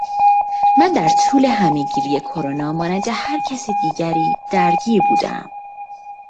من در طول همهگیری کرونا مانند هر کس دیگری درگیر بودهام